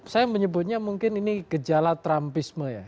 saya menyebutnya mungkin ini gejala trumpisme ya